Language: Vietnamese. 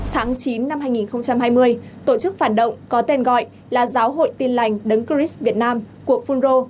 tháng chín năm hai nghìn hai mươi tổ chức phản động có tên gọi là giáo hội tin lành đấng chris việt nam của phun rô